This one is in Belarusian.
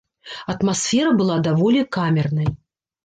Атмасфера была даволі камернай.